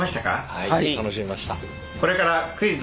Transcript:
はい楽しめました。